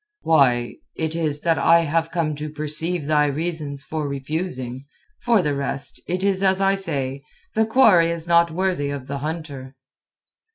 "Why... it is that I have come to perceive thy reasons for refusing. For the rest, it is as I say, the quarry is not worthy of the hunter."